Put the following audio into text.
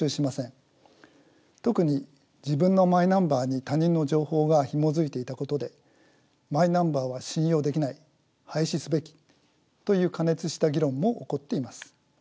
特に自分のマイナンバーに他人の情報がひもづいていたことでマイナンバーは信用できない廃止すべきという過熱した議論も起こっています。